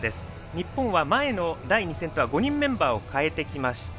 日本は前の第２戦とは５人メンバーを代えてきました。